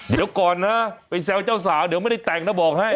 เดี๋ยวก่อนนะไปแซวเจ้าสาวเดี๋ยวไม่ได้แต่งนะบอกให้